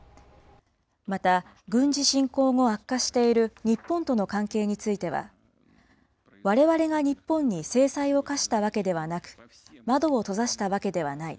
また、軍事侵攻後悪化している日本との関係については、われわれが日本に制裁を科したわけではなく、窓を閉ざしたわけではない。